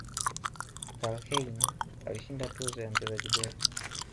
Karlheine alishinda tuzo ya mchezaji bora